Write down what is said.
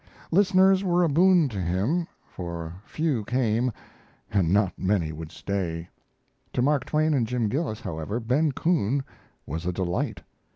Listeners were a boon to him, for few came and not many would stay. To Mark Twain and Jim Gillis, however, Ben Coon was a delight.